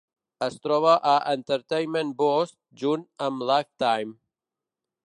Es troba a Entertainment Boost junt amb Lifetime.